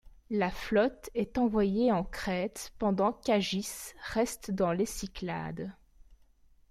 La flotte est envoyée en Crète pendant qu'Agis reste dans les Cyclades.